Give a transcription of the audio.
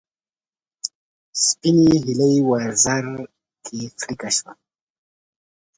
سپینې هیلۍ وزر کې څړیکه شوه